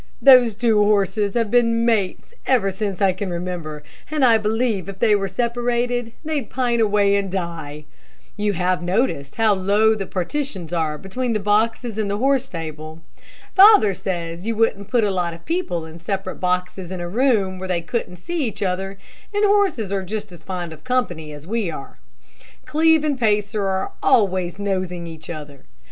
Those two horses have been mates ever since I can remember, and I believe if they were separated, they'd pine away and die. You have noticed how low the partitions are between the boxes in the horse stable. Father says you wouldn't put a lot of people in separate boxes in a room, where they couldn't see each other, and horses are just as fond of company as we are. Cleve and Pacer are always nosing each other.